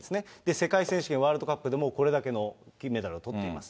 世界選手権、ワールドカップでもこれだけの金メダルをとっています。